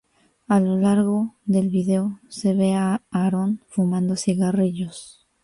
A lo largo del video, se ve a Aaron fumando cigarrillos.